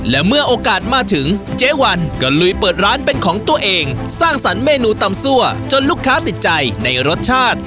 และเมื่อโอกาสมาถึงเจ๊วันก็ลุยเปิดร้านเป็นของตัวเองสร้างสรรคเมนูตำซั่วจนลูกค้าติดใจในรสชาติ